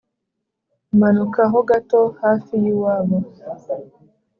umanuka hogato hafi y’iwabo.